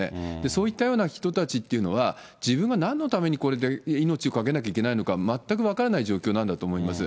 そういったような人たちっていうのは、自分はなんのためにこれで命を懸けなきゃいけないのか全く分からない状況なんだと思います。